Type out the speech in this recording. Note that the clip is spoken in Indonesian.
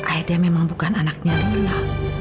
aida memang bukan anaknya rela